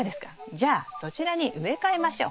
じゃあそちらに植え替えましょう。